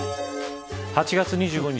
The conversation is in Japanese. ８月２５日